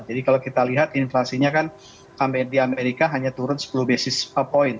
jadi kalau kita lihat inflasinya kan di amerika hanya turun sepuluh basis point